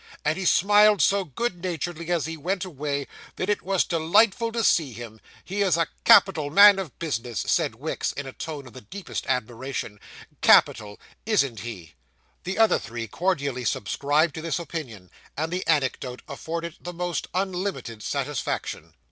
and he smiled so good naturedly as he went away, that it was delightful to see him. He is a capital man of business,' said Wicks, in a tone of the deepest admiration, 'capital, isn't he?' The other three cordially subscribed to this opinion, and the anecdote afforded the most unlimited satisfaction.